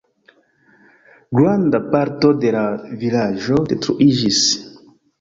Granda parto de la vilaĝo detruiĝis.